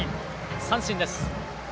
三振です。